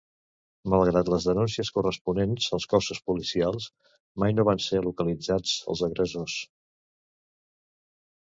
Malgrat les denúncies corresponents als cossos policials, mai no van ser localitzats els agressors.